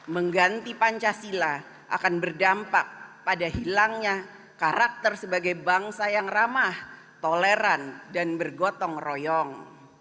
mengganti pancasila akan berdampak pada hilangnya karakter sebagai bangsa yang ramah toleran dan bergotong royong